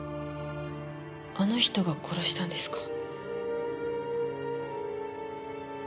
あの人が殺したんですか？